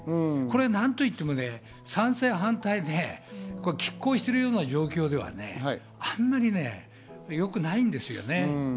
なんと言っても賛成、反対で拮抗してるような状況ではあんまり良くないんですよね。